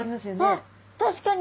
あっ確かに！